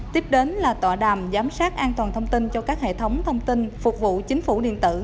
tiếp đến là tọa đàm giám sát an toàn thông tin cho các hệ thống thông tin phục vụ chính phủ điện tử